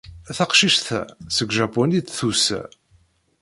Taqcict-a seg Japun i d-tusa.